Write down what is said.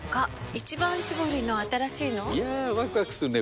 「一番搾り」の新しいの？いやワクワクするね！